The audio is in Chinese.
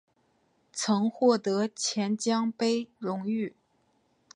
曾获得钱江杯荣誉。